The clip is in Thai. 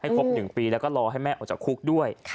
ครบ๑ปีแล้วก็รอให้แม่ออกจากคุกด้วย